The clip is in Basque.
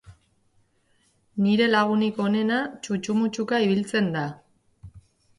Nire lagunik onena txutxu-mutxuka ibiltzen da